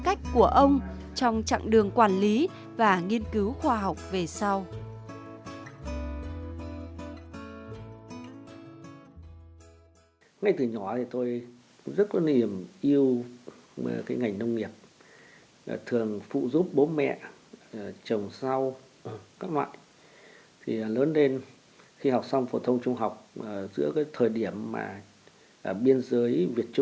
cách của ông trong chặng đường quản lý và nghiên cứu khoa học về sau